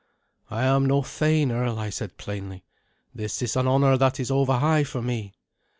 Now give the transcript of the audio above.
"I am no thane, earl," I said plainly. "This is an honour that is over high for me."